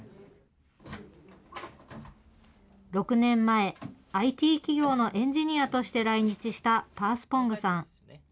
６年前、ＩＴ企業のエンジニアとして来日したパースポングさん。